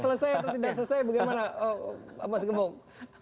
selesai atau tidak selesai bagaimana mas gembong